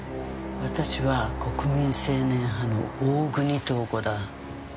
私は国民青年派の大國塔子だ。